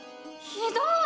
ひどい！